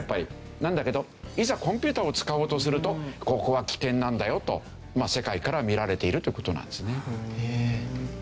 なんだけどいざコンピューターを使おうとするとここは危険なんだよと世界からは見られているという事なんですね。